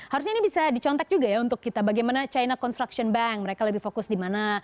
harusnya ini bisa dicontek juga ya untuk kita bagaimana china construction bank mereka lebih fokus di mana